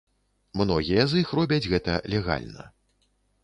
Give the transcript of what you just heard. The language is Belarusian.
Многія з іх робяць гэта легальна.